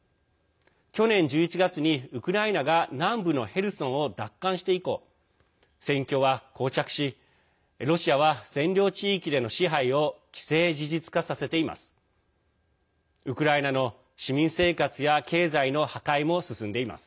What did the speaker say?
去年１１月に、ウクライナが南部のヘルソンを奪還して以降戦況は、こう着しロシアは、占領地域での支配を既成事実化させています。